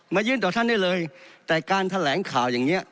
ยื่นต่อท่านได้เลยแต่การแถลงข่าวอย่างนี้